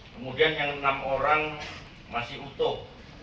kemudian yang enam orang masih utuh